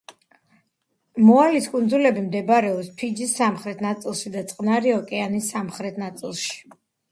მოალის კუნძულები მდებარეობს ფიჯის სამხრეთ ნაწილში და წყნარი ოკეანის სამხრეთ ნაწილში.